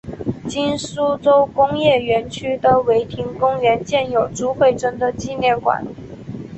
今苏州工业园区的唯亭公园建有朱慧珍的纪念馆。